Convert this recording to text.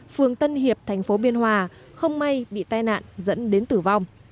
phường tân hiệp thành phố biên hòa không may bị tai nạn dẫn đến tử vong